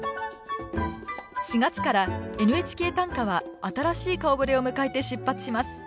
４月から「ＮＨＫ短歌」は新しい顔ぶれを迎えて出発します。